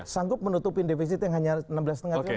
sanggup menutupin defisit yang hanya enam belas lima triliun